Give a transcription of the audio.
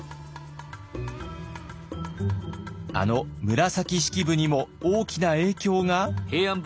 あの紫式部にも大きな影響が？